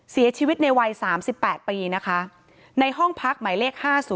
เสียชีวิตในวัย๓๘ปีนะคะในห้องพักหมายเลข๕๐